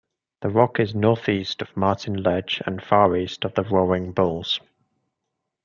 The rock is northeast of Martin Ledge and far east of the Roaring Bulls.